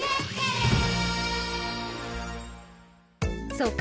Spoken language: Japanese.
そうか。